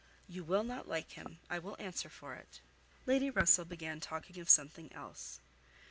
"You will not like him, I will answer for it." Lady Russell began talking of something else.